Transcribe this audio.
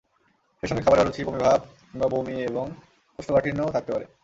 সেই সঙ্গে খাবারে অরুচি, বমি ভাব কিংবা বমি এবং কোষ্ঠকাঠিন্যও থাকতে পারে।